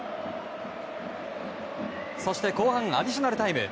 そして後半アディショナルタイム。